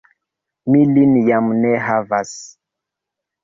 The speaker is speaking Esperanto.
Mi lin jam ne havas!